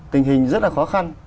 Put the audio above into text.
tình hình rất là khó khăn